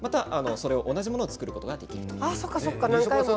同じものを作ることができるということです。